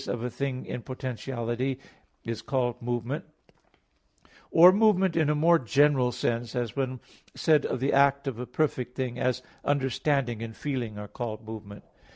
of a thing in potentiality, is called movement; or movement in a more general sense, as when said of the act of a perfect thing, as understanding and feeling are called movement.